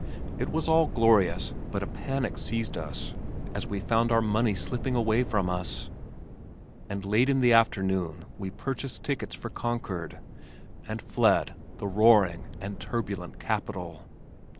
It was all glorious but a panic seized us as we found our money slipping away from us, and late in the afternoon we purchased tickets for Concord, and fled the roaring and turbulent capital.